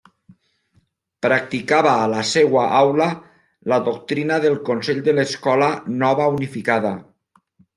Practicava a la seua aula la doctrina del Consell de l'Escola Nova Unificada.